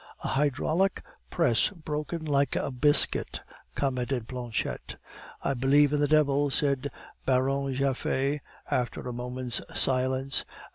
"A hydraulic press broken like a biscuit!" commented Planchette. "I believe in the devil," said the Baron Japhet, after a moment's silence.